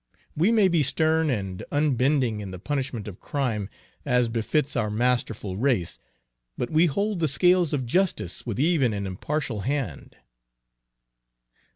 We may be stern and unbending in the punishment of crime, as befits our masterful race, but we hold the scales of justice with even and impartial hand."